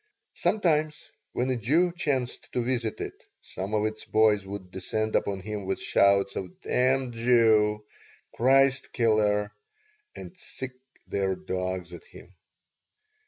Sometimes, when a Jew chanced to visit it some of its boys would descend upon him with shouts of "Damned Jew!" "Christ killer!" and sick their dogs at him.